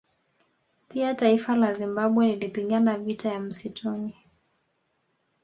Pia taifa la Zimbabwe lilipigana vita ya Msituni